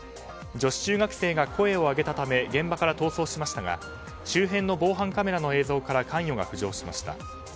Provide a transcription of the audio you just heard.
女子中学生が声を上げたため現場から逃走しましたが周辺の防犯カメラの映像から関与が浮上しました。